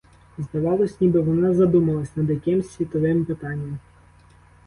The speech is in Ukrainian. Здавалось, ніби вона задумалась над якимсь світовим питанням.